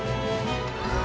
ああ。